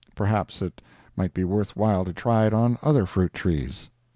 Perhaps it might be worthwhile to try it on other fruit trees.